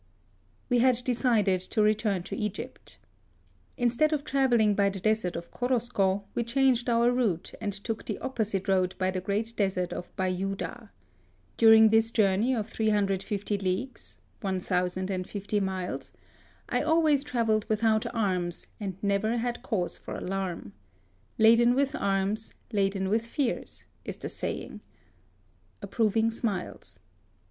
We had decided to return to Egypt. In stead of travelling by the desert of Korosko, we changed our route, and took the opposite road by the great desert of Bayouda. Dur ing this journey of 350 leagues (1050 miles) I always travelled without arms, and never had cause for alarm. Laden with arms, laden with fears, is the saying. (Approving smiles.)